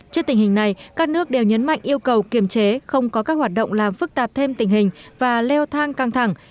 trước tình hình này các nước đều nhấn mạnh yêu cầu kiềm chế không có các hoạt động làm phức tạp thêm tình hình và leo thang căng thẳng